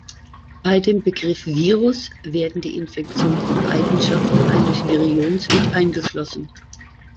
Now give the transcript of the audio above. Bei dem Begriff Virus werden die infektiösen Eigenschaften eines Virions mit eingeschlossen.